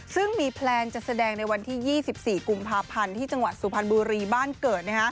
ซึ่งมีแพลนจะแสดงในวันที่๒๔กุมภาพันธ์ที่จังหวัดสุพรรณบุรีบ้านเกิด